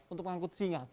untuk mengangkut singa